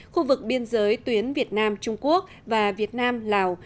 khu vực biên giới tuyến việt nam trung quốc và việt nam lào